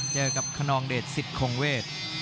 เจอกับคนนองเดชสิทธงเวท